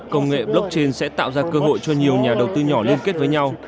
công nghệ blockchain sẽ tạo ra cơ hội cho nhiều nhà đầu tư nhỏ liên kết với nhau